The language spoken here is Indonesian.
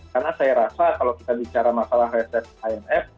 karena saya rasa kalau kita bicara masalah reses imf